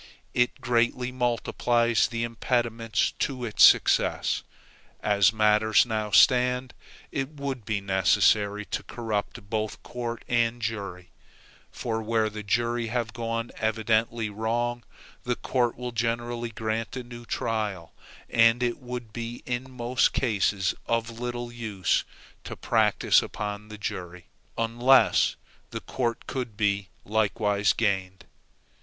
It greatly multiplies the impediments to its success. As matters now stand, it would be necessary to corrupt both court and jury; for where the jury have gone evidently wrong, the court will generally grant a new trial, and it would be in most cases of little use to practice upon the jury, unless the court could be likewise gained.